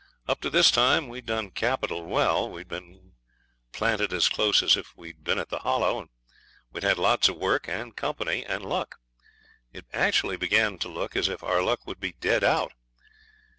Up to this time we had done capital well. We had been planted as close as if we had been at the Hollow. We'd had lots of work, and company, and luck. It began to look as if our luck would be dead out.